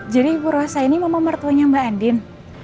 jadi ibu rosa ini mama mertuanya mbak andien